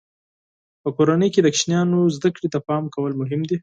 په کورنۍ کې د ماشومانو زده کړې ته پام کول مهم دي.